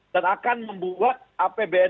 dan akan membuat apbn